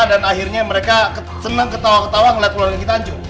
dan akhirnya mereka seneng ketawa ketawa ngeliat keluarga kita anjur